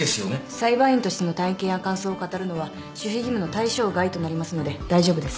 裁判員としての体験や感想を語るのは守秘義務の対象外となりますので大丈夫です。